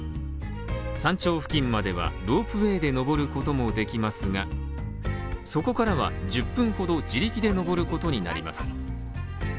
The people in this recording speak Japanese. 山頂付近まではロープウェイで登ることもできますがそこからは１０分ほど自力で登ることになります。